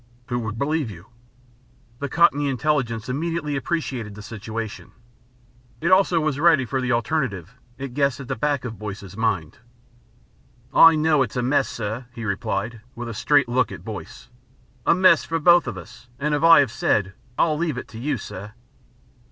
"Who would believe you?" The Cockney intelligence immediately appreciated the situation. It also was ready for the alternative it guessed at the back of Boyce's mind. "I know it's a mess, sir," he replied, with a straight look at Boyce. "A mess for both of us, and, as I have said, I'll leave it to you, sir."